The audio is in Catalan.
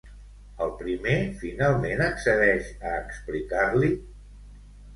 El primer finalment accedeix a explicar-li?